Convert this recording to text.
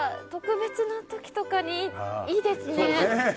特別な時とかにいいですね。